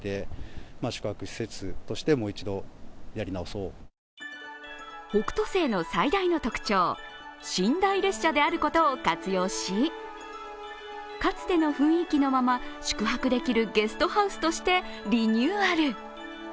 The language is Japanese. そこで「北斗星」の最大の特徴寝台列車であることを活用しかつての雰囲気のまま宿泊できるゲストハウスとしてリニューアル。